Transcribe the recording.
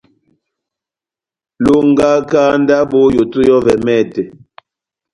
Longaka ndabo ό yoto yɔ́vɛ mɛtɛ.